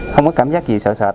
không có cảm giác gì sợ sệt